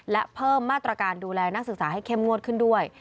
และเพิ่มมาตรการดูแลนักศึกษาให้เข้มงวดขึ้นด้วย